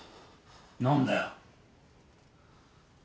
何だよ。